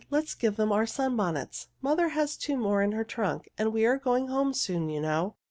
Let's give them our sunbonnets. Mother has two more in her trunk, and we are going home soon, you know."